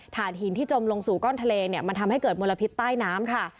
หินที่จมลงสู่ก้อนทะเลเนี่ยมันทำให้เกิดมลพิษใต้น้ำค่ะ